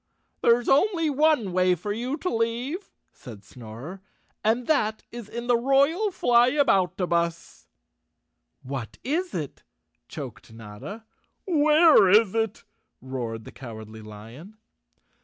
" There's only one way for you to leave," said Snorer, " and that is in the royal Flyaboutabus." "What is it?" choked Notta. "Where is it?" roared the Cowardly Lion.